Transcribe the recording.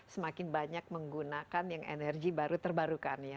semakin banyak menggunakan yang energi baru terbarukan ya